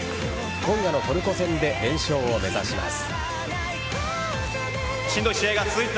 今夜のトルコ戦で連勝を目指します。